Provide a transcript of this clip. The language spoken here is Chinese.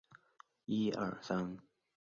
妈妈因为太冷就自己关机了